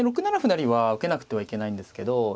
６七歩成は受けなくてはいけないんですけど。